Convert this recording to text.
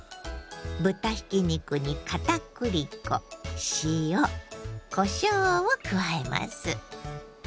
豚ひき肉に片栗粉塩こしょうを加えます。